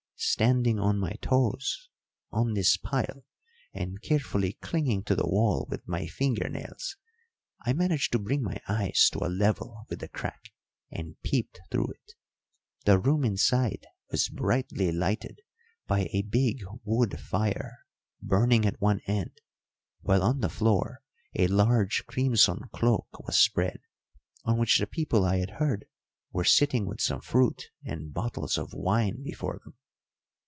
Standing on my toes on this pile, and carefully clinging to the wall with my finger nails, I managed to bring my eyes to a level with the crack, and peeped through it. The room inside was brightly lighted by a big wood fire burning at one end, while on the floor a large crimson cloak was spread, on which the people I had heard were sitting with some fruit and bottles of wine before them.